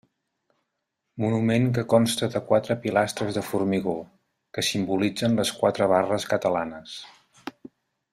Monument que consta de quatre pilastres de formigó que simbolitzen les quatre barres catalanes.